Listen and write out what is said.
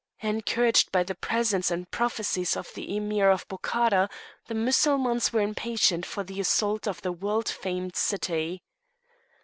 Encouraged by the presence and prophecies of the Emir of Bokhara, the Mussulmans were impatient for the assault on the world famed city.